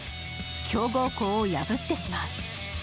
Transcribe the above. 強豪校を破ってしまう。